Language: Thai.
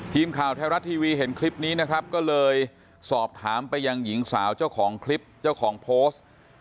ทีมข่าวไทยรัฐทีวีเห็นคลิปนี้นะครับก็เลยสอบถามไปยังหญิงสาวเจ้าของคลิปเจ้าของโพสต์